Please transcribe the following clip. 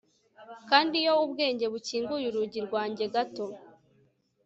kandi iyo ubwenge bukinguye urugi rwanjye gato